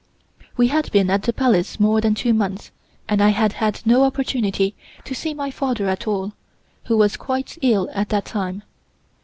We had been at the Palace more than two months, and I had had no opportunity to see my father at all, who was quite ill at that time.